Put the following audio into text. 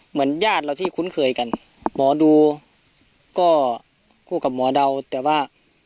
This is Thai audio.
ญาติเราที่คุ้นเคยกันหมอดูก็คู่กับหมอเดาแต่ว่า